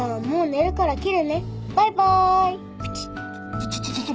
ちょちょちょちょちょ